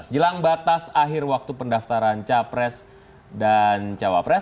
jelang batas akhir waktu pendaftaran capres dan cawapres